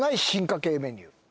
進化系メニュー」